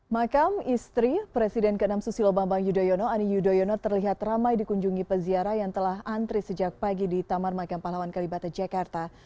makam istri presiden ke enam susilo bambang yudhoyono ani yudhoyono terlihat ramai dikunjungi peziarah yang telah antri sejak pagi di taman makam pahlawan kalibata jakarta